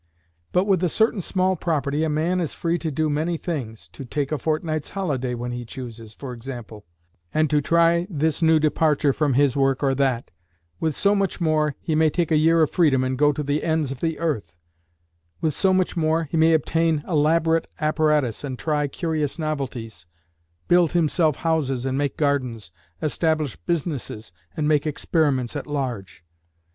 But with a certain small property a man is free to do many things, to take a fortnight's holiday when he chooses, for example, and to try this new departure from his work or that; with so much more, he may take a year of freedom and go to the ends of the earth; with so much more, he may obtain elaborate apparatus and try curious novelties, build himself houses and make gardens, establish businesses and make experiments at large.